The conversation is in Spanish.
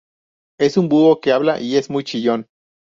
Es un búho que habla y es muy chillón.